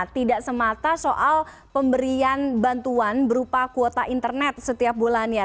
tidak semata soal pemberian bantuan berupa kuota internet setiap bulannya